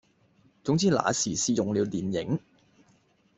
總之那時是用了電影，